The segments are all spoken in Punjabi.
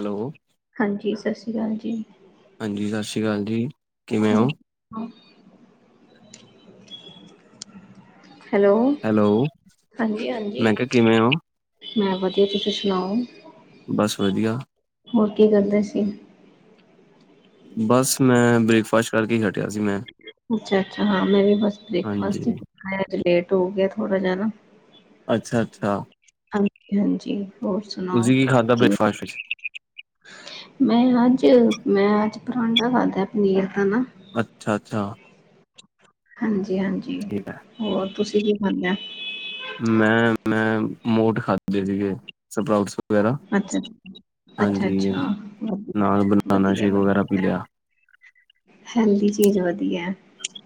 ਹੈਲੋ ਹਾਂਜੀ ਸਸ ਸ੍ਰੀ ਕਾਲ ਜੀ। ਹਾਂਜੀ ਸਸ ਸ੍ਰੀ ਕਾਲ ਜੀ। ਕਿਵੇਂ ਹੋ [unintelligible] ਹੈਲੋ, ਹੈਲੋ ਹਾਂਜੀ-ਹਾਂਜੀ। ਮੈਂ ਕਿਹਾ ਕਿਵੇਂ ਹੋ ਮੈਂ ਵਧੀਆ ਤੁਸੀਂ ਸੁਣਾਓ। ਬਸ ਵਧੀਆ। ਹੋਰ ਕੀ ਕਰਦੇ ਸੀ। ਬਸ ਮੈਂ ਬ੍ਰੇਕਫਾਸਟ ਕਰਕੇ ਹਟਿਆ ਸੀ ਮੈਂ। ਅੱਛਾ-ਅੱਛਾ ਹਾਂ ਮੈਂ ਵੀ ਬਸ ਬ੍ਰੇਕਫਾਸਟ ਹੀ ਹਾਂਜੀ ਕੀਤਾ ਅੱਜ ਲੇਟ ਹੋ ਗਿਆ ਥੋੜਾ ਜਾ ਨਾ। ਅੱਛਾ-ਅੱਛਾ ਹਾਂਜੀ-ਹਾਂਜੀ ਹੋਰ ਸੁਣਾਓ ਕੀ ਖਾਧਾ ਕਿਵੇਂ ਬ੍ਰੇਕਫਾਸਟ ਵਿੱਚ [inaudible] ਮੈਂ ਅੱਜ ਮੈਂ ਅੱਜ ਪਰਾਂਠਾ ਖਾਧਾ ਪਨੀਰ ਦਾ ਨਾ। ਅੱਛਾ-ਅੱਛਾ ਹਾਂਜੀ-ਹਾਂਜੀ ਠੀਕ ਹੈ ਹੋਰ ਤੁਸੀਂ ਕੀ ਖਾਦਾ। ਮੈਂ-ਮੈਂ ਮੋਠ ਖਾਧੇ ਸੀਗੇ ਸਪਰਾਡਸ ਵਗੈਰਾ ਅੱਛਾ ਅੱਛਾ ਹਾਂਜੀ ਅੱਛਾ ਨਾਲ ਵਧੀਆ ਬਨਾਨਾ ਵਧੀਆ ਸ਼ੇਕ ਵਧੀਆ, ਵਗੈਰਾ ਪੀ ਲਿਆ। ਹੈਲਦੀ ਚੀਜ਼ ਵਧੀਆ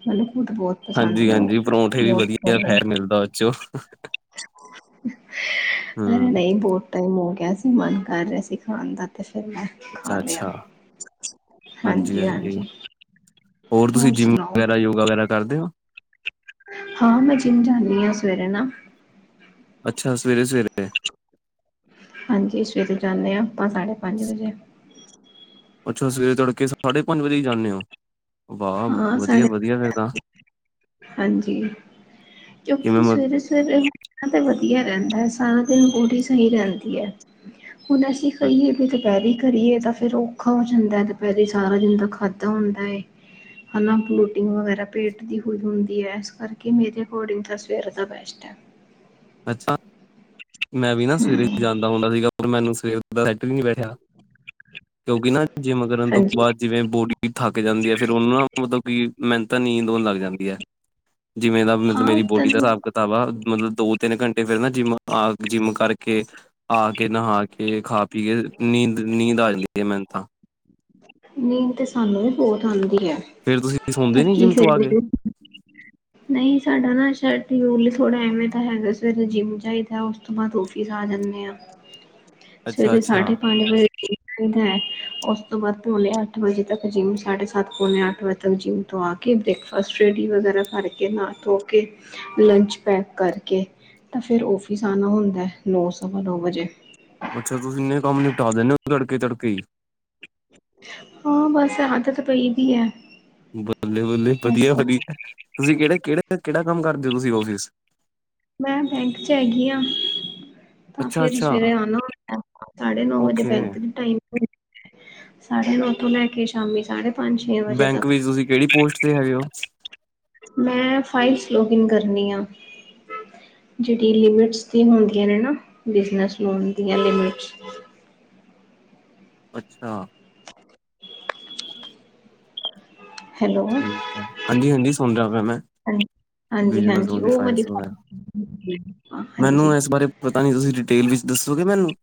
ਮਤਲਬ ਤ ਬਹੁਤ ਪਸੰਦ ਹਾਂਜੀ ਨੇ ਉਹ ਹਾਂਜੀ ਪਰੌਂਠੇ ਵੀ ਮੋਠ ਵਧੀਆ ਛੋਲੇ ਫੈਟ ਮਿਲਦਾ ਉਦੇ ਚੋ। ਹਮ ਨਹੀਂ ਬਹੁਤ ਟਾਈਮ ਹੋ ਗਿਆ ਸੀ ਮਨ ਕਰ ਰਿਹਾ ਸੀ ਖਾਣ ਦਾ ਤੇ ਫੇਰ ਮੈਂ ਖਾ ਲਿਆ ਅੱਛਾ-ਅੱਛਾ ਹਾਂਜੀ ਹਾਂਜੀ-ਹਾਂਜੀ ਹਾਂਜੀ ਹੋਰ ਤੁਸੀਂ ਹੋਰ ਜਿੰਮ ਸੁਣਾਓ ਵਗੈਰਾ, ਯੋਗਾ ਵਗੈਰਾ ਕਰਦੇ ਹੋ? ਹਾਂ ਮੈਂ ਜਿਮ ਜਾਨੀ ਹਾਂ ਸਵੇਰੇ ਨਾ। ਅੱਛਾ ਸਵੇਰੇ-ਸਵੇਰੇ। ਹਾਂਜੀ ਸਵੇਰੇ ਜਾਂਦੇ ਹਾਂ ਆਪਾਂ ਸਾਢੇ ਪੰਜ ਵਜੇ। ਅੱਛਾ ਸਵੇਰੇ ਤੜਕੇ ਸਾਢੇ ਪੰਜ ਵਜੇ ਜਾਂਦੇ ਹੋ ਵਾਹ ਹਾਂ ਸਾਢੇ ਵਧੀਆ-ਵਧੀਆ ਫੇਰ ਤਾ। ਹਾਂਜੀ ਕਿਵੇਂ ਕਿਊਂਕਿ ਮ ਸਵੇਰੇ-ਸਵੇਰੇ ਇਹ ਤੇ ਵਧੀਆ ਰਹਿੰਦਾ ਸਾਰਾ ਦਿਨ ਬੋਡੀ ਸਹੀ ਰਹਿੰਦੀ ਹੈ। ਹੁਣ ਅਸੀਂ ਕਹੀਏ ਵੀ ਦੁਪਹਿਰੇ ਕਰੀਏ ਤਾਂ ਫੇਰ ਔਖਾ ਹੋ ਜਾਂਦਾ ਹੈ ਸਾਰੇ ਦਿਨ ਦਾ ਖਾਧਾ ਹੁੰਦਾ ਹੈ। ਹਨਾ ਫਲੋਟਿੰਗ ਵਗੈਰਾ ਪੇਟ ਦੀ। ਹੁੰਦੀ ਹੈ ਇਸ ਕਰਕੇ ਮੇਰੇ ਅਕੋਡਿੰਗ ਤਾਂ ਸਵੇਰੇ ਦਾ ਬੈਸਟ ਹੈ। ਅੱਛਾ ਮੈਂ ਵੀ ਨਾ ਸਵੇਰੇ ਹੀ ਜਾਂਦਾ ਹੁੰਦਾ ਸੀਗਾ ਪਰ ਮੈਨੂੰ ਸਵੇਰ [unintelligible] ਬੈਠਿਆ ਕਿਉਂਕਿ ਨਾ ਜਿੰਮ ਕਰਨ ਤੋਂ ਹਾਂਜੀ ਬਾਦ ਜਿਵੇਂ ਬੋਡੀ ਥੱਕ ਜਾਂਦੀ ਹੈ ਫੇਰ ਉਹਨਾਂ ਨਾਲ ਮਤਲਬ ਕਿ ਮੈਨ ਤਾਂ ਨੀਂਦ ਲੱਗ ਜਾਂਦੀ ਹੈ ਜਿਵੇਂ ਦਾ ਮਤਲਬ ਹਾਂ ਮੇਰੀ ਤਾਂ ਬੋਡੀ ਦਾ ਹਿਸਾਬ ਕਿਤਾਬ ਆ ਮਤਲਬ ਦੋ ਤਿੰਨ ਘੰਟੇ ਫੇਿਰ ਨਾ ਜਿੰਮ ਆ ਜਿੰਮ ਕਰਕੇ ਆ ਕੇ ਨਹਾ ਕੇ ਖਾ ਪੀ ਕੇ ਨੀਂਦ, ਨੀਂਦ ਆ ਜਾਂਦੀ ਹੈ ਮੈਨ ਤਾਂ। ਨੀਂਦ ਤੇ ਸਾਨੂੰ ਵੀ ਬੋਹਤ ਆਉਂਦੀ ਆ ਫਿਰ ਤੁਸੀਂ ਸੌਦੇ ਪਰ ਨੀ ਕੀ ਜਿੰਮ ਤੋਂ ਆ ਕੇ ਕਰੀਏ। ਨਹੀਂ ਸਾਡਾ ਨਾ ਸ਼ਾਇਲ ਥੋੜਾ ਐਵੇਂ ਤਾਂ ਹੈਗਾ ਸਵੇਰੇ ਜਿੰਮ ਜਾਈਦਾ ਉਸ ਤੋ ਬਾਦ ਔਫਿਸ ਆ ਜਾਨੇ ਆਂ। [inaudible] ਸਵੇਰੇ ਅੱਛਾ ਸਾਡੇ ਪਾੰਜ ਵਜੇ [inaudible] ਦਾ ਐ ਓਸ ਤੋ ਬਾਦ ਪੌਨੇ ਅੱਠ ਵਜੇ ਤਕ ਜਿੰਮ, ਸਾਡੇ ਸਾੱਤ ਪੌਨੇ ਅੱਠ ਵਜੇ ਤਕ ਜਿੰਮ ਤੋ ਆ ਕੇ ਕੇ ਬ੍ਰੇਕਫਾਸਟ ਰੇਡੀ ਵਗੈਰਾ ਕਾਰਕੇ, ਨਾ ਧੋ ਕੇ ਲੰਚ ਪੈਕ ਕਾਰਕੇ ਤਾ ਫੇਰ ਔਫਿੱਸ ਆਨਾ ਹੁੰਦੈ ਨੌ ਸਵਾ ਨੌ ਵਜੇ। ਅੱਛਾ ਤੁਸੀਂ ਇੰਨੇ ਕਾੰਮ ਨਿਪਟਾ ਦੇਨੇ ਓ ਤੜਕੇ-ਤੜਕੇ ਈ। ਹਾਂ ਬਾਸ ਆਦਤ ਪਈ ਦੀ ਐ। ਬੱਲੇ-ਬੱਲੇ, ਵਧੀਆ-ਵਧੀਆ ਤੂਸੀ ਕੇੜੇ, ਕੇੜੇ, ਕੈੜਾ ਕਾੰਮ ਕਰਦੇ ਓ ਤੂਸੀ ਔਫਿੱਸ? ਮੈਂ ਬੈਂਕ ਚ ਹੈਗੀ ਆਂ। ਤਾਂ ਅੱਛਾ ਫੇਰ ਅੱਛਾ ਸਵੇਰੇ ਆਨਾ ਹੋਂਦੇ, ਸਾਡੇ ਨੌ ਵਜੇ ਓਕੇ ਬੈਂਕ ਦੀ ਟਾਈਮ [inaudible] ਸਾਡੇ ਨੌ ਤੋਂ ਲੈ ਕੇ ਸ਼ਾਮੀ ਸਾਡੇ ਬੈਂਕ ਵਿੱਚ ਤੂਸੀ ਕੈੜੀ ਪੋਸਟ ਤੇ ਹੈਗੇ ਓ? ਮੈਂ ਫਾਈਲਸ ਲੌਗਿਨ ਕਰਨੀ ਆਂ। ਜੇੜੀ ਲਿਮਿਟਸ ਦੀ ਹੋਨਦੀਆਂ ਨੇ ਨਾ, ਬਿਜਨਸ ਲੋਨ ਦੀਆਂ ਲਿਮਿਟਸ ਅੱਛਾ। ਹੈਲੋ ਠੀਕੈ, ਹਾਂਜੀ-ਹਾਂਜੀ ਸੂਨ ਰੇਆ ਪੈ ਮੈਂ। ਹਾਂਜੀ, ਬਿਜਨਸ ਹਾਂਜੀ ਲੋਨ ਦੀ ਓ ਵਾਲੀ ਫਾਈਲਸ ਵਗੈਰਾ [inaudible] ਹਾਂਜੀ। ਮੈਨੂੰ ਇਸ ਬਾਰੇ ਪਤਾ ਨੀ ਤੂਸੀ ਡਿਟੇਲ ਵਿੱਚ ਦੱਸੋਗੇ ਮੈਨੂੰ,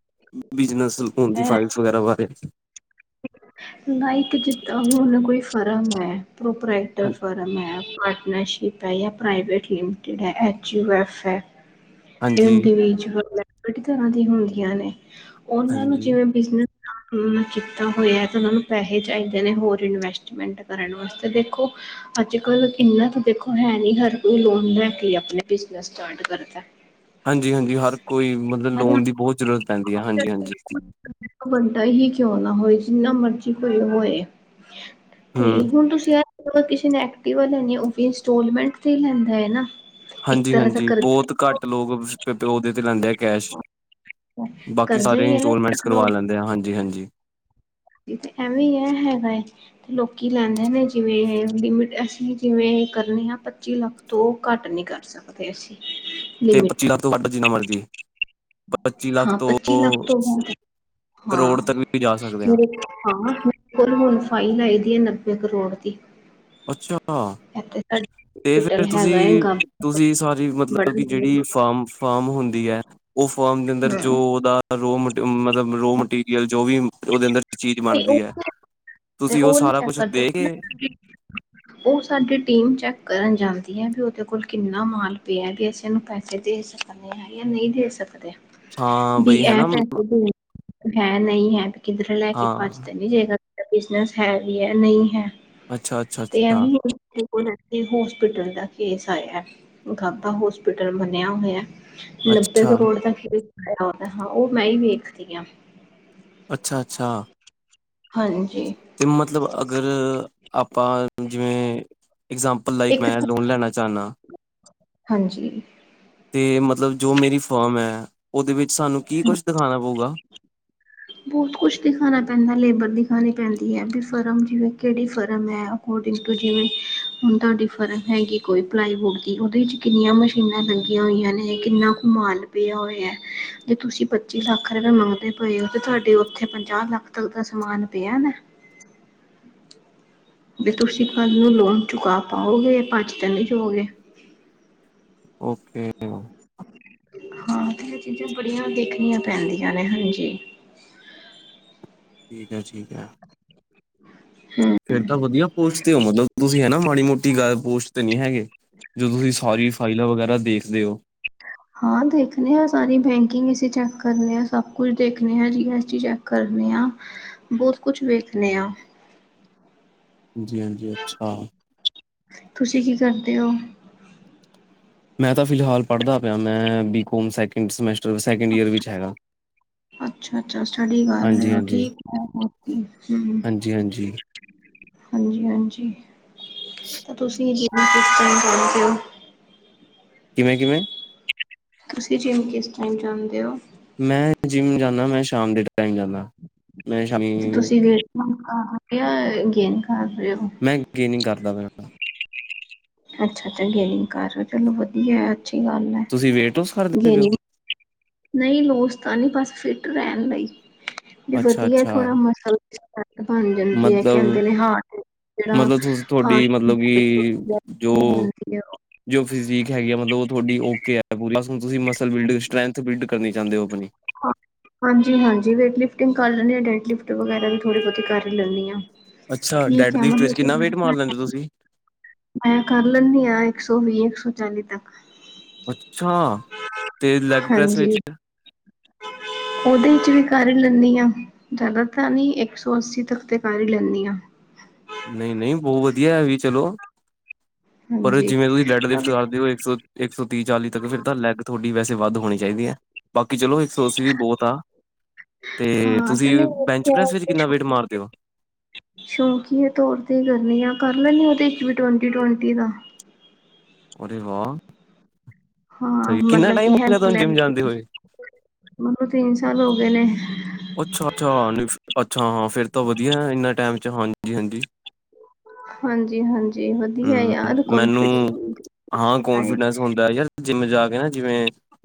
ਬਿਜਨਸ ਲੋਨ ਦੀ ਫਾਈਲਸ ਵਗੈਰਾ ਬਾਰੇ? ਨਾ ਇੱਕ ਜਿੱਦਾ ਹੂਨ ਕੋਈ ਫਰਮ ਐ ਪ੍ਰੋਪਰਾਈਟਰ ਹਾਂ- ਫਰਮ ਹੈ ਪਾਰਟਨਰਸੀ਼ਪ ਪੈਆ ਪ੍ਰਾਈਵੇਟ ਲਿਮਿਟਿਡ ਹੈ, ਐਚ ਯੂ ਐਫ ਹੈ, ਹਾਂਜੀ ਇੰਡੀਵਿਜ਼ੂਅਲ ਐ ਬੜੀ ਤਰਾਂ ਦੀ ਹੁੰਦੀਆਂ ਨੇ, ਓਨਾਂ ਨੂੰ ਹਾਂਜੀ ਜਿਵੇਂ ਬਿਜਨਸ ਸਟਾਰਟ ਹੋਨ ਵਿੱਚ। ਤਾਂ ਹੋਏਆ ਤਾਂ ਓਨਾਂ ਨੂੰ ਪੈਹੇ ਚਾਈਦੇ ਨੇ ਹੋਰ ਇਨਵੈਸਟਮੈਂਟ ਕਰਨ ਵਾਸਤੇ ਦੇਖੋ ਅਜ-ਕਲ ਕਿੰਨਾ ਤਾਂ ਦੇਖੋ ਹੈ ਨੀ ਹਰ ਕੋਈ ਲੋਨ ਲੈ ਕੇ ਈ ਅਪਨੇ ਬਿਜਨਸ ਸਟਾਰਟ ਕਰ [inaudible] ਹਾਂਜੀ, ਹਾਂਜੀ ਹਰ ਕੋਈ ਮਤਲਬ ਲੋਨ ਦੀ ਬੋਤ ਜ਼ਰੂਰਤ ਪੈਂਦੀ ਐ ਹਾਂਜੀ, ਹਾਂਜੀ। [unintelligible] ਬੰਦਾ ਹੀ ਕਿਉਂ ਨਾ ਹੋਏ ਜਿੰਨਾ ਮਰਜੀ ਕੋਈ ਹੋਏ ਤੇ ਹਮ ਹੁਨ ਤੁਸੀ ਐ [unintelligible] ਕਿਸੇ ਨੇ ਐਕਟਿਵਾ ਲੇਨੀ ਏ ਓ ਵੀ ਇੰਸਟੋਾਲਮੈਂਟ ਤੇ ਈ ਲੈਂਦਾ ਏ ਨਾ। ਇੱਕ ਹਾਂਜੀ, ਤਰ੍ਹਾਂ ਦਾ ਹਾਂਜੀ ਬੋਤ ਕਰਜ਼ਾ ਘਾੱਟ ਲੋਗ [unintelligible] ਤੇ ਲੈਂਦੈ। ਕੈਸ਼, ਬਾਕੀ ਕਰਜ਼ਾ ਸਾਰੇ ਹੀ ਹੈ ਇੰਸਟੋਲਮੈਂਟਸ ਨਾ ਕਰਵਾ ਲੈਂਦੇ ਆ ਹਾਂਜੀ, ਹਾਂਜੀ। ਤੇ ਐਵੇਂ ਈ ਐ ਹੈਗਾਏ। ਲੋਕੀ ਲੈਂਦੇ ਨੇ ਜਿਵੇਂ ਏ ਲਿਮਿਟ ਅਸੀ ਜਿਵੇਂ ਏ ਕਰਨੇ ਆ ਪੱਚੀ ਲਾੱਖ ਤੋ ਘਾੱਟ ਨੀ ਕਾਰ ਸਕਦੇ ਅਸੀ। ਤੇ ਪੱਚੀ ਲਾੱਖ ਤੋ ਵੱਡ ਜਿੰਨਾ ਮਰਜੀ? ਹਾਂ ਪੱਚੀ ਲਾੱਖ ਤੋਂ ਹਾਂ ਕਰੋੜ ਤੱਕ ਵੀ ਜਾ ਸਕਦੇ ਹਾਂ ਮੇਰੇ ਹਾਂ [unintelligible] ਫਾਈਲ ਆਈ ਦੀ ਐ ਨੱਬੇ ਕਰੋੜ ਦੀ। ਅੱਛਾ। ਐਥੇ ਤਾ [unintelligible] ਤੇ ਫੇਰ ਤੂਸੀ, ਤੂਸੀ ਸਾਰੀ ਮਤਲਬ ਕਿ ਜੇੜੀ ਬੜਾ ਫਾਮਫ ਫਾਮ ਹੁੰਦੀ ਐ, ਓ ਫਾਮ ਦੇ ਅੰਦਰ ਜੋ ਓਦਾ ਰੋ ਮ, ਮਤਲਬ ਰੋ ਮਟੀਰੀਅਲ, ਜੋ ਵੀ ਓਦੇ ਅੰਦਰ ਚੀਜ ਤੇ ਉਹ ਬਾਨਦੀ ਐ, ਤੂਸੀ ਓ ਸਾਰਾ ਕੁੱਛ ਦੇ ਕੇ ਜੀ। ਓ ਸਾਡੀ ਟੀਮ ਚੈੱਕ ਕਰਨ ਜਾਂਦੀ ਐ, ਬਈ ਓਦੇ ਕੋਲ ਕਿੰਨਾ ਮਾਲ ਪੇਆ, ਤੇ ਅਸੀ ਐਨੂੰ ਪੈਸੇ ਦੇ ਸਕਨ। [unintelligible] ਨਈ ਦੇ ਸਕਦੇ, ਹਾਂ ਬੀ ਬਈ ਐ ਹਨਾ ਪੈਸੇ ਦੇਨ ਹੈ, ਨਈ ਹੈ, ਕਿੱਦਰੇ ਲੈ ਕੇ ਹਾਂ ਜੇ ਏਦਾ ਬਿਜਨਸ ਹੈ ਵੀ ਹੈ, ਨਹੀ ਹੈ ਅੱਛਾ ਅੱਛਾ ਤੇ ਐਂਵੇ ਅੱਛਾ ਈ [inaudible] ਹੂਨ ਐਥੇ ਹੋਸਪਿਟਲ ਦਾ ਕੇਸ ਆਏਆ, ਗਾਬਾ ਹੋਸਪਿਟਲ ਮਨੇਆ ਹੋਏਆ ਨੱਬੇ ਅੱਛਾ ਕਰੋੜ ਦਾ ਖੇਸ ਪਾਏਆ ਹੋਏਆ, ਹਾਂ ਓ ਮੈਂ ਈ ਵੇਖਦੀ ਆਂ। ਅੱਛਾ-ਅੱਛਾ ਹਾਂਜੀ ਅਤੇ ਮਤਲਬ ਅਗਰ ਆਪਾਂ ਜਿਵੇਂ ਇਗਜਾਮਪਲ ਲਾਇਕ ਇੱਕ ਮੈਂ ਤਾਂ- ਲੋਨ ਲੈਣਾ ਚਾਨਾ ਹਾਂਜੀ ਤੇ ਮਤਲਬ ਜੋ ਮੇਰੀ ਫਰਮ ਹੈ ਉਹਦੇ ਵਿੱਚ ਸਾਨੂੰ ਕੀ ਕੁਛ ਦਿਖਾਣਾ ਪਊਗਾ। ਬਹੁਤ ਕੁਛ ਦਿਖਾਣਾ ਪੈਂਦਾ ਲੇਬਰ ਦਿਖਾਣੀ ਪੈਂਦੀ ਹੈ ਵੀ ਫਰਮ ਜਿਵੇਂ ਕਿਹੜੀ ਫਰਮ ਹੈ। ਅਕੋਰਡਿੰਗ ਟੂ ਜਿਵੇਂ ਹੁਣ ਤੁਹਾਡੀ ਫਰਸ ਹੈਗੀ ਕੋਈ ਪਲਾਈਵੁਡ ਦੀ ਉਹਦੇ ਵਿੱਚ ਕਿੰਨੀਆ ਮ ਕਿੰਨੀਆਂ ਲੱਗੀਆ ਹੋਈਆ ਨੇ, ਕਿੰਨਾ ਕੁ ਮਾਲ ਪਿਆ ਹੋਇਆ ਜੇ ਤੁਸੀਂ ਪੱਚੀ ਲੱਖ ਰੁਪਏ ਮੰਗਦੇ ਪਏ ਹੋ। ਤੇ ਤੁਹਾਡੇ ਉੱਥੇ ਪੰਜਾਹ ਲੱਖ ਤੱਕ ਦਾ ਸਮਾਨ ਪਿਆ ਦਾ? ਬਈ ਤੁਸੀਂ ਕੱਲ ਨੂੰ ਲੌਨ ਚੁਕਾ ਪਾਓਗੇ, ਭੱਜ ਤੇ ਨੀ ਜਾਉਗੇ। ਓਕੇ। ਹਾਂ, ਤੇ ਇਹ ਚੀਜ਼ਾਂ ਬੜੀਆਂ ਦੇਖਣੀਆਂ ਪੈਂਦੀਆਂ ਨੇ ਹਾਂਜੀ। ਠੀਕ ਹੈ, ਠੀਕ ਹੈ। ਹਾਂ। ਫੇਰ ਤਾ ਵਧੀਆ ਪੋਸਟ ਤੇ ਹੋ ਮਤਲਬ ਤੁਸੀਂ ਹੈਨਾ ਮਾੜੀ ਮੋਟੀ ਗੱਲ ਪੋਸਟ ਤੇ ਨੀ ਹੈਗੇ। ਜੋ ਤੁਸੀ ਸਾਰੀ ਫਾਈਲਾਂ ਵਗੈਰਾ ਦੇਖਦੇ ਹੋ। ਹਾਂ ਦੇਖਨੇ ਆ ਸਾਰੀ ਬੈਂਕਿੰਗ ਅਸੀ ਚੈੱਕ ਕਰਨੇ ਆ ਸਭ ਕੁਛ ਦੇਖਨੇ ਹਾਂ ਜੀ ਐਸ ਚੀਜ਼ ਹੈ। ਕਰਨੇ ਆ, ਬਹੁਤ ਕੁਛ ਵੇਖਨੇ ਆ। ਜੀ, ਹਾਂਜੀ ਅੱਛਾ। ਤੁਸੀਂ ਕੀ ਕਰਦੇ ਓ? ਮੈਂ ਤਾਂ ਫਿਲਹਾਲ ਪੜ੍ਹਦਾ ਪਿਆ ਮੈਂ BCom second semester, second year ਵਿੱਚ ਹੈਗਾ। ਅੱਛਾ-ਅੱਛਾ ਸਟੱਡੀ ਕਰ ਰਹੇ ਹਾਂਜੀ ਹੋ ਠੀਕ ਹੈ ਹੋਰ ਕੀ ਹੂੰ। ਜੀ, ਹਾਂਜੀ। ਹਾਂਜੀ-ਹਾਂਜੀ, ਤੁਸੀਂ ਜੀ ਕੀ [unintelligible] ਕਿਵੇਂ-ਕਿਵੇਂ? ਤੁਸੀਂ ਜਿਮ ਕਿਸ ਟਾਈਮ ਜਾਂਦੇ ਹੋ? ਮੈਂ ਜਿੰਮ ਜਾਨਾ ਮੈਂ ਸ਼ਾਮ ਦੇ ਟਾਈਮ ਜਾਨਾ। ਤੇ ਤੁਸੀਂ ਵੇਟ ਕਿ [unintelligible] ਗੇਨ ਕਰ ਰਹੇ ਹੋ? ਟਰੇਨਿੰਗ ਕਰਦਾ ਪਿਆ। ਅੱਛਾ-ਅੱਛਾ ਗੇਨਿਗ ਕਰ ਚਲੋ ਵਧੀਆ ਅੱਛੀ ਗੱਲ ਐ ਤੁਸੀਂ ਵੇਟ ਲੋਸ ਕਰਦੇ ਪਏ ਗੇਨਿਗ ਹੋ ਨਹੀਂ ਲੋੋਸ ਤਾਂ ਨੀ ਬਸ ਫਿਟ ਰਹਿਣ ਲਈ ਵੀ ਅੱਛਾ ਵਧੀਆ ਅੱਛਾ ਥੋੜ੍ਹਾ ਮਸਲ [unintelligible] ਬਣ ਜਾਂਦੀ ਏ, ਮਤਲਬ ਕਹਿੰਦੇ ਨੇ ਹਾਟ ਮਤਲਬ ਤੁਸੀ ਤੁਹਾਡੀ ਮਤਲਬ ਕਿ ਜੋ ਜੋ ਫਿਜੀ਼ਕ ਹੈਗੀ ਆ ਮਤਲਬ ਉਹ ਤੁਹਾਡੀ ਓਕੇ ਹੈ ਪੂਰੀ ਅਸਲ ਤੁਸੀਂ ਮਸਲ ਬਿਲਡ ਸਟਰ੍ਰੈਂਥ ਬਿਲਡ ਕਰਨੀ ਚਾਹੁੰਦੇ ਹੋ ਆਪਣੀ। ਹਾਂਜੀ-ਹਾਂਜੀ ਵੇਟ ਲਿਫਟਿੰਗ ਕਰ ਲੈਂਨੀ ਆ ਡੇਟ ਲਿਫਟ ਵਗੈਰਾ ਵੀ ਥੋੜ੍ਹੀ ਬਹੁਤੀ ਕਰ ਲੈਂਨੀ ਹਾਂ। ਅੱਛਾ ਠੀਕ ਡੈਡ ਹੈ ਲਿਫਟ ਵਿੱਚ ਮਤਲਬ ਕਿੰਨਾ ਵੇਟ ਮਾਰ ਕਿ ਲੈਂਦੇ ਹੋ ਤੁਸੀਂ? ਮੈਂ ਕਰ ਲੈਂਣੀ ਆਂ ਇੱਕ ਸੌ ਵੀਹ, ਇੱਕ ਸੌ ਚਾਲੀ ਤੱਕ। ਅੱਛਾ। ਤੇ ਲੈਗ ਪ੍ਰੈਸ ਹਾਂਜੀ ਵਿੱਚ ਔਦੇ ਚ ਵੀ ਕਰ ਲਣੀ ਆ। ਜਾਦਾ ਤਾ ਨੀ ਏਕ ਸੌ ਅੱਸੀ ਤੱਕ ਤੇ ਕਰ ਹੀ ਲੈਂਣੀ ਆਂ। ਨਹੀਂ-ਨਹੀਂ ਬੌਹ ਵਧੀਆ ਹੈਵੀ ਚਲੋ ਪਰ ਹਾਂਜੀ ਜਿਵੇਂ ਤੁਸੀਂ ਲੈਡ ਲਿਫਟ ਕਰਦੇ ਹੋ ਇੱਕ ਸੌ ਇੱਕ ਸੌ ਤੀਹ ਚਾਲੀ ਤੱਕ ਫਿਰ ਤਾਂ ਲੈੱਗ ਤੁਹੌਡੀ ਵੈਸੇ ਵੱਧ ਹੋਣੀ ਚਾਹੀਦੀ ਹੈ। ਬਾਕੀ ਚਲੋ ਇੱਕ ਸੌ ਅਸੀ ਵੀ ਬੌਤ ਆ। ਤੇ ਹਾਂ ਤੇ ਤੁਸੀਂ ਨਹੀਂ ਬੈਂਚ ਪ੍ਰੈਸ ਵਿੱਚ ਕਿੰਨਾ ਵੇਟ ਮਾਰਦੇ ਔ? ਸ਼ੌਂਕੀਏ ਤੋਰ ਤੇ ਕਰਨੀ ਆ ਕਰ ਲੈਨੀ ਆ ਉਹਦੇ ਚ ਵੀ ਟਵੰਟੀ- ਟਵੰਟੀ ਦਾ। ਅਰੇ ਵਾਹ! ਹਾਂ ਸਹੀ ਕਿੰਨਾ ਮਤਲਬ ਟਾਈਮ ਕਿ ਹੋ ਗਿਆ ਹੈਲਪ ਤੁਹਾਨੂੰ ਲੈਣ ਜਿੰਮ ਜਾਂਦੇ ਹੋਏ? ਮੈਨੂੰ ਤਿੰਨ ਸਾਲ ਹੋ ਗਏ ਨੇ। ਅੱਛਾ-ਅੱਛਾ, ਅੱਛਾ ਹਾਂ ਫਿਰ ਤਾਂ ਵਧੀਆ ਇਹਨਾ ਟੈਮ ਚ ਹਾਂਜੀ-ਹਾਂਜੀ। ਹਾਂਜੀ ਹਾਂਜੀ ਵਧੀਆ ਹੂੰ, ਯਾਰ ਮੈਨੂੰ ਕਨਫੀਡੈਂਸ ਹਾਂ ਹਾਏ ਕੋਂਫੀਡੈਂਸ ਹੁੰਦਾ ਯਾਰ। ਜਿੰਮ ਜਾ ਕੇ ਨਾ ਜਿਵੇਂ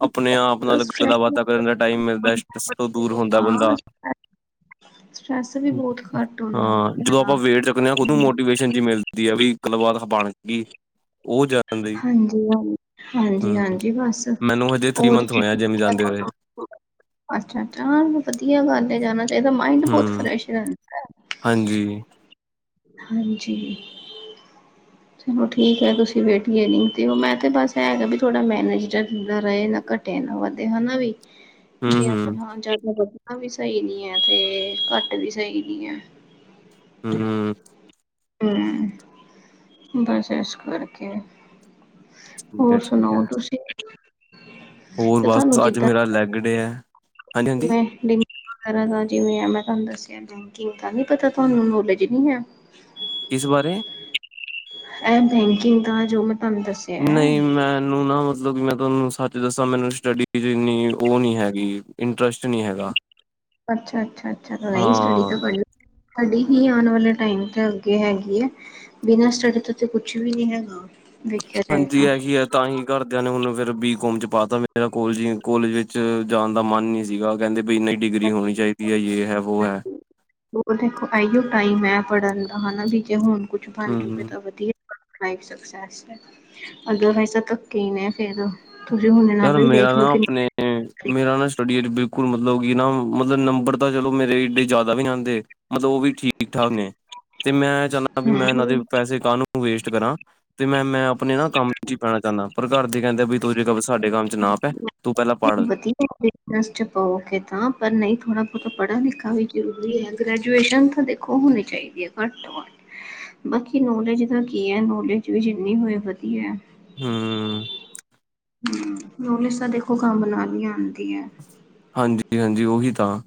ਆਪਣੇ ਆਪ ਨਾਲ ਸਟਰੈਸ ਗੱਲਾਂ-ਬਾਤਾਂ ਕਰਨ ਦਾ ਟਾਈਮ ਮਿਲਦਾ ਆ ਸਟ੍ਰਾਸ ਤੋਂ ਦੂਰ ਹੁੰ ਦਾ ਹਾਂ ਬੰਦਾ। ਸਟਰੈਸ ਵੀ ਬਹੁਤ ਘੱਟ ਹੁੰਦਾ ਹਾਂ, ਬੰਦੇ ਜਦੋਂ ਦਾ ਆਪਾਂ ਵੇਟ ਚਕਨੇ ਆ ਓਦੋ ਹਾਂਜੀ ਮੋਟੀਵੇਸ਼ਨ ਜੀ ਮਿਲ ਦੀ ਆ ਵੀ ਗੱਲ ਬਾਤ ਬਣ ਗਈ ਉਹ ਜਾਣ ਦਈ ਹਾਂਜੀ-ਹਾਂਜੀ ਬਸ ਥ੍ਰੀ ਔਰ ਮੰਥ ਕੀ ਹੋਇਆ ਜਿੰਮ ਜਾਂਦੇ ਹੋਏ [inaudible] ਅੱਛਾ-ਅੱਛਾ ਵਧੀਆ ਗੱਲ ਹੈ ਜਾਣਾ ਚਾਹੀਦਾ ਮਾਇੰਡ ਬੌਤ ਹੂੰ ਫਰੈਸ਼ ਰਹਿੰ ਹਾਂਜੀ। ਹਾਂਜੀ। ਚਲੋ ਠੀਕ ਹੈ ਤੁਸੀਂ ਵੇਟ ਗੇਨਿੰਗ ਤੇ ਉ ਮੈਂ ਤੇ ਬਸ ਐ ਹੈਗਾ ਬਈ ਥੌੜਾ ਮੈਨੇਜ ਰਖਦ ਰਹੇ ਨਾ ਘੱ ਤੇ ਨ ਵਧੇ ਹੈਨਾ ਵੀ। [inaudible] ਵੀ ਅਪਣਾ ਜਾਦਾ ਵਧਣਾ ਵੀ ਸਹੀ ਨੀ ਹੈ ਤੇ ਘੱਟ ਵੀ ਸਹੀ ਨੀ ਹੈ। ਹਾਂ ਹੂੰ, ਬਸ ਐਸ ਕਰਕੇ। ਠੀਕ ਹੋਰ ਐ, ਠੀਕ ਐ। ਸੁਣਾਓ ਤੁਸੀਂ? ਹੋਰ ਤੇ ਬਸ ਤੁਹਾਨੂੰ ਤ ਅੱਜ ਜਿੱਦਾਂ ਮੇਰਾ ਲੈਗ ਡੇ ਹੈ। ਮੈਂ [unintelligible] ਤਰਾਂ ਦਾ ਜਿਵੇਂ ਐ ਮੈਂ ਤਾਨ ਦੱਸਿਆ ਬੈਂਕਿੰਗ ਦਾ ਨੀ ਪਤਾ ਤੁਹਾਨੂੰ ਨੋਲੇਜ ਨੀ ਹੈ। ਕਿਸ ਬਾਰੇ? ਐ ਬੈਂਕਿੰਗ ਦਾ ਜੋ ਮੈਂ ਤੁਹਾਨੂੰ ਦੱਸਿਆ ਹੈ ਨਹੀਂ ਮੈਨੂੰ ਨਾ ਮਤਲਬ ਮੈ ਤੁਹਾਨੂੰ ਸੱਚ ਦੱਸਾਂ ਮੈਨੂੰ ਸਟੱਡੀ ਚ ਇੰਨੀ ਔ ਨੀ ਹੈਗੀ ਇੰਟਰਸਟ ਨੀ ਹੈਗਾ। ਅੱਛਾ-ਅੱਛਾ, ਅੱਛਾ ਨਹੀ ਸਟੱਡੀ ਹਾਂ ਤਾ ਪੜੀ ਟਡੀ ਹੀ ਆਣ ਵਾਲੇ ਟਾਈਮ ਤ ਅੱਗੇ ਹੈਗੀ ਏ। ਬਿਨਾਂ ਸਟਡੀ ਤੋਂ ਤੇ ਕੁਛ ਵੀ ਨੀ ਹੈਗਾ। ਵੇਖਿਆ ਜਾਏ ਹਾਂਜੀ, ਤਾਂ ਐਹੀ ਹੈ। ਤਾਂਹੀ ਘਰਦਿਆਂ ਨੇ ਉਨੂੰ ਫਿਰ ਬੀਕੋਮ ਚ ਪਾਤਾ, ਮੇਰਾ ਕੋਲਜੀ ਕੋਲੇਜ ਵੇਚ ਜਾਣ ਦਾ ਮੱਨ ਨੀ ਸੀਗਾ। ਕੈੰਦੇ ਬਈ ਨਈ ਡਿਗਰੀ ਹੋਣੀ ਚਾਈਦੀ ਹੈ ਯੇ ਹੈ ਵੋ ਹੈ। ਹੋਰ ਦੇਖੋ ਆਈਓ ਟਾਈਮ ਹੈ ਪੜ੍ਹਨ ਦਾ ਹਨਾ ਵੀ ਜੇ ਹੁਣ ਕੁਛ ਬਣ ਜੂਗੈ ਹੂੰ ਤਾਂ ਵਧੀਆ। ਤਾਈ ਸਕਸੈਸ ਐ ਅਦਰਵਾਈਜ਼ ਤਾ ਧੱਕੇ ਈ ਨੇ ਫੇਰ। ਤੁਸੀਂ ਹੁਣੇ ਨਾ ਵੀ ਵੇਖਲੋ ਕਿ ਹੂੰ, ਮੇਰਾ ਨਾ ਸਟੱਡੀ ਏਚ ਬਿਲਕੁਲ ਮਤਲਬ ਕੀ ਨਾ ਮਤਲਬ ਨੰਬਰ ਤਾਂ ਚਲੋ ਮੇਰੇ ਏਡੇ ਜਾਦਾ ਵੀ ਨੀ ਆਂਦੇ। ਮਤਲਬ ਓਹ ਵੀ ਠੀਕ-ਠਾਕ ਨੇ ਤੇ ਮੈਂ ਚਾਹੁੰਣਾ ਬੀ ਮੈਂ ਏਨਾਂ ਦੇ ਹਮ ਪੈਸੇ ਕਾਹਨੂ ਵੇਸਟ ਕਰਾਂ ਤੇ ਮੈਂ, ਮੈਂ ਅਪਣੇ ਨਾ ਕੰਮ ਚ ਹੀ ਪੈਣਾ ਚਾਹਣਾ ਪਰ ਘਰ ਦੇ ਕੈੰਦੇ ਬਈ ਤੂੰ ਜੇ ਕ ਬਸ ਸਾਡੇ ਕੰਮ ਚ ਨਾ ਪੈ। ਤੂੰ ਪਹਿਲਾਂ ਪੜ੍ਹ [unintelligible] ਬਿਜਨਸ ਚ ਪਾਓਗੇ ਤਾਂ ਪਰ ਨਹੀਂ ਥੋੜ੍ਹਾ ਬਹੁਤਾ ਪੜ੍ਹਾ ਲਿਖਾ ਵੀ ਜ਼ਰੂਰੀ ਹੈ ਗ੍ਰੈਜੂਏਸ਼ਨ ਤਾ ਦੇਖੋ ਦਖੋ ਹੋਨੀ ਚਾਹੀਦੀ ਪਰ [inaudible] ਬਾਕੀ ਨੌਲੇਜ ਦਾ ਕੀ ਹੈ ਨੌਲੇਜ ਵੀ ਜਿੰਨੀ ਹੋਈ ਵਧੀਆ। ਹੁ ਨੋਲਿਜ਼ ਤਾਂ ਦੇਖੋ ਕੰਮ ਨਾਲ ਹੀ ਆਂਦੀ ਹੈ। ਹਾਂਜੀ-ਹਾਂਜੀ ਉਹੀ ਤਾ।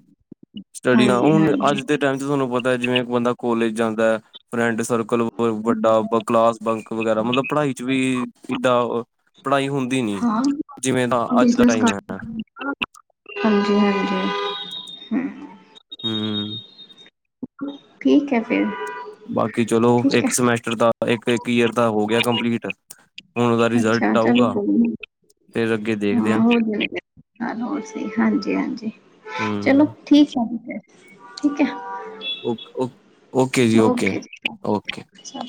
ਸਟੱਡੀ ਆ ਹਾਂਜੀ ਹੁਣ ਹਾਂਜੀ ਅੱਜ ਦੇ ਟਾਈਮ ਚ ਤੁਹਾਨੂੰ ਪਤਾ ਜਿਵੇਂ ਬੰਦਾ ਕੋਲੇਜ ਜਾਂਦਾ ਹੈ ਫਰੈਂਡਸ ਸਰਕਲ ਵ-ਵੱਡਾ ਕਲਾਸ ਬੰਕ ਵਗੈਰਾ ਮਤਲਬ ਪੜ੍ਹਾਈ ਚ ਵੀ ਜ਼ਿੰਦਾ ਅ ਪੜ੍ਹਾਈ ਹੁੰਦ ਹਾਂ, ਬਿਜਨਸ ਕਾਰ ਹੈ [unintelligible] ਹਾਂਜੀ-ਹਾਂਜੀ। [inaudible] ਹੂੰ। ਠੀਕ ਏ ਫੇਰ। ਬਾਕੀ ਚਲੋ, ਏਕ ਸਮੈਸਟਰ ਤਾ ਏਕ-ਏਕ ਈਅਰ ਦਾ ਹੋ ਗੇਆ ਕੰਪਲੀਟ ਹੁਣ ਉਹਦਾ ਅੱਛਾ, ਰਿਜ਼ਲਟ ਚਲੋ ਆਊਗਾ ਕੋਈ ਨੀ। ਫੇਰ ਅੱਗੇ ਦੇਖਦੇ ਹਾਂ, ਹੋਰ ਵਦੀਆ ਕਾੱਲ ਹੋਰ ਸਈ ਹਾਂਜੀ-ਹਾਂਜੀ, ਚਲੋ। ਹੂੰ, ਠੀ [unintelligible] ਠੀਕ ਐ। ਓਕ-ਓਕ ਓਕੇ ਜੀ ਓਕੇ, ਜੀ ਸਤਿ ਓਕੇ। ਸ਼੍ਰੀ ਅਕਾਲ